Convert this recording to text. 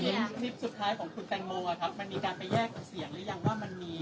มันมีการไปแยกเสียงรึอยังว่ามันมี